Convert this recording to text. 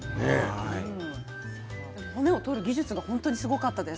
骨を取る技術もすごかったです